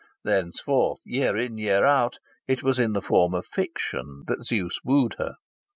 Thenceforth, year in, year out, it was in the form of fiction that Zeus wooed her.